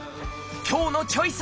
今日の「チョイス」